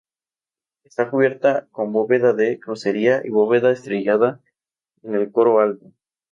Está cubierta con bóveda de crucería y bóveda estrellada en el coro alto.